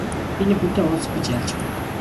Би нэг хүнтэй уулзах гэж яарч байна.